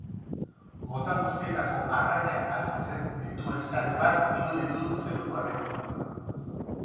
Mota guztietako arrainak atzitzen dituen sare bat iduri du zeruko erreinuak.